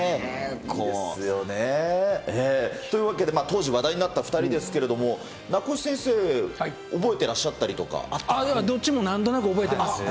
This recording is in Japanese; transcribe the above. ですよね。というわけで当時話題になった２人ですけれども、名越先生、どっちもなんとなく覚えてます。